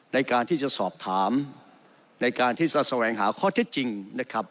ในการที่จะสอบถามในการที่จะแสวงหาข้อเท็จจริงนะครับ